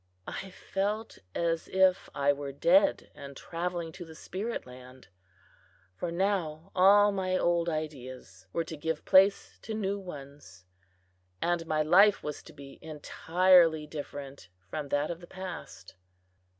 I felt as if I were dead and traveling to the Spirit Land; for now all my old ideas were to give place to new ones, and my life was to be entirely different from that of the past.